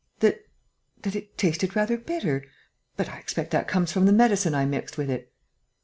"That ... that it tasted rather bitter.... But I expect that comes from the medicine I mixed with it."